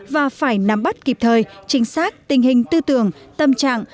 và phải nắm bắt kịp thời chính xác tình hình tư tưởng tâm trạng